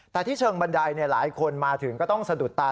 แต่ที่เชิงบันไดหลายคนมาถึงก็ต้องสะดุดตา